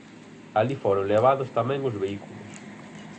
Alí foron levados tamén os vehículos.